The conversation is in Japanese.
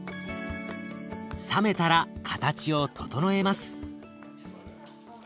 冷めたら形を整えます。